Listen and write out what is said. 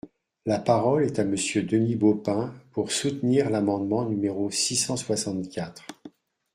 La parole est à Monsieur Denis Baupin, pour soutenir l’amendement numéro six cent soixante-quatre.